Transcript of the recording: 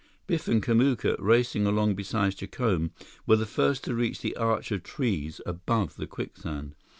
Biff and Kamuka, racing along beside Jacome, were the first to reach the arch of trees above the quicksand.